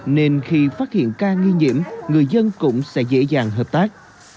nên khi phát hiện ca nghi nhiễm người dân cũng sẽ dễ dàng hợp tác